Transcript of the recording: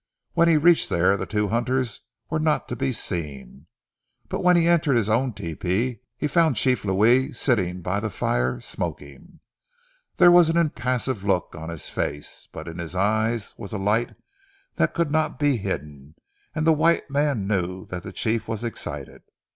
When he reached there the two hunters were not to be seen, but when he entered his own tepee he found Chief Louis sitting by the fire, smoking. There was an impassive look on his face, but in his eyes was a light that could not be hidden, and the white man knew that the chief was excited.